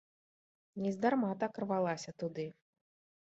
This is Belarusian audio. Нездарма так рвалася туды.